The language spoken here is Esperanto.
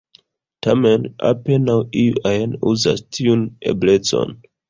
Tamen apenaŭ iu ajn uzas tiun eblecon.